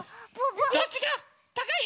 どっちがたかい？